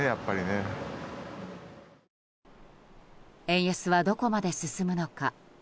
円安はどこまで進むのか。